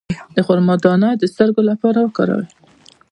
د خرما دانه د سترګو لپاره وکاروئ